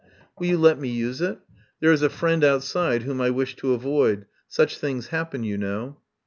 "Will you let me use it? There is a friend outside whom I wish to avoid. Such things happen, you know."